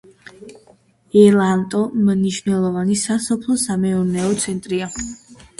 ელ-ალტო მნიშვნელოვანი სასოფლო-სამეურნეო ცენტრია.